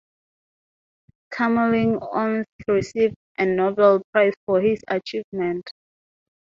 Kamerlingh Onnes received a Nobel Prize for his achievement.